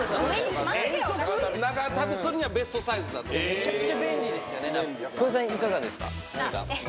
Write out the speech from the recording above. めちゃくちゃ便利ですよね。